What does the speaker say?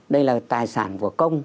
đây là tài sản của công